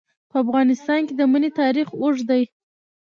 په افغانستان کې د منی تاریخ اوږد دی.